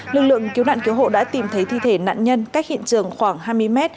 lực lượng cứu nạn cứu hộ đã tìm thấy thi thể nạn nhân cách hiện trường khoảng hai mươi m